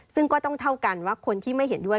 ซึ่งก็ต้องเท่ากันว่าคนที่ไม่เห็นด้วย